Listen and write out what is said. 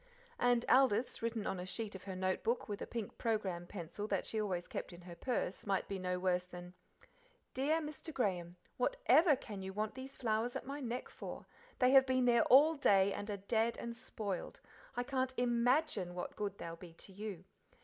And Aldith's, written on a sheet of her note book with a pink programme pencil that she always kept in her purse, might be no worse than: "Dear Mr. Graham, "What EVER can you want these flowers at my neck for? They have been there all day, and are dead and spoiled. I can't IMAGINE what good they'll be to you.